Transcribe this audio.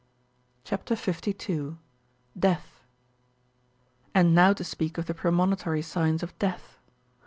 CHAP. 52. (51.) DEATH. And now to speak of the premonitory signs of death.